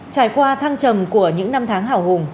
trải qua thăng trầm của những năm tháng hào hùng